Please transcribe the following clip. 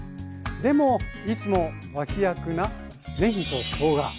でもいつも脇役なねぎとしょうが。